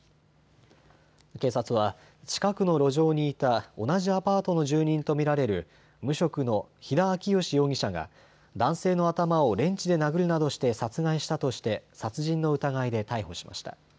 警察は近くの路上にいた同じアパートの住人と見られる無職の肥田昭吉容疑者が男性の頭をレンチで殴るなどして殺害したとして殺人の疑いで逮捕しました。